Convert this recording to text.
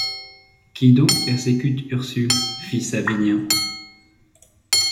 Qui donc persécute Ursule? fit Savinien.